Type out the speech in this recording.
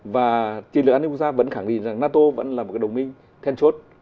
và kỳ lực an ninh quốc gia vẫn khẳng định rằng nato vẫn là một đồng minh thiên suốt